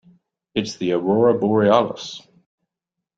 It's the aurora borealis.